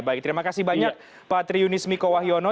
baik terima kasih banyak pak triunis miko wahyono